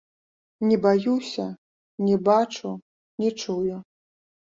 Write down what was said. Не баюся, не бачу, не чую.